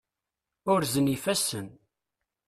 Urzen yifassen.